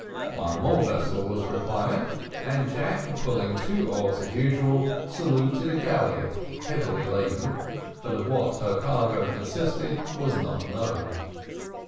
One more vessel was required, and Jack, pulling two oars as usual, saluted a galliot heavily laden, but of what her cargo consisted was not known.